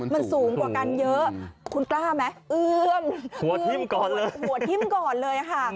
มันสูงกว่ากันเยอะคุณกล้าไหมเอื้อหัวทิ้มก่อนเลย